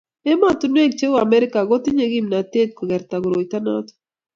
emotinwek cheuu Amerika ko kitinye kimnatet kukerta koroito noto